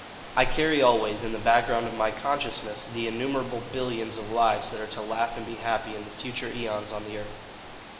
I carry always in the background of my consciousness the innumerable billions of lives that are to laugh and be happy in future aeons on the earth.